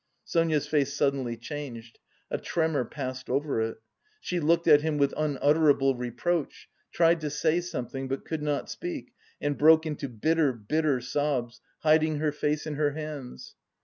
Sonia's face suddenly changed; a tremor passed over it. She looked at him with unutterable reproach, tried to say something, but could not speak and broke into bitter, bitter sobs, hiding her face in her hands.